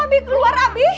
abih keluar abih